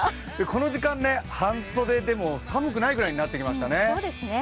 この時間半袖でも寒くないくらいになってきましたね。